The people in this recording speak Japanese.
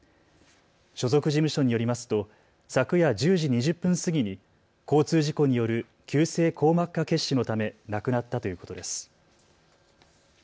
所属事務所によりますと昨夜１０時２０分過ぎに交通事故による急性硬膜下血腫のため亡くなったということです。